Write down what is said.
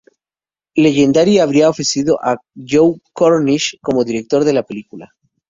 Legendary había ofrecido a Joe Cornish como director de la película.